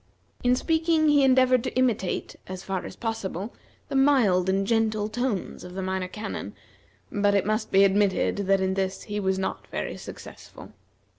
In speaking he endeavored to imitate, as far as possible, the mild and gentle tones of the Minor Canon, but it must be admitted that in this he was not very successful.